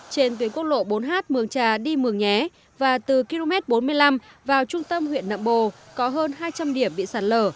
trên tuyến quốc lộ bốn h mường trà đi mường nhé và từ km bốn mươi năm vào trung tâm huyện nậm bồ có hơn hai trăm linh điểm bị sạt lở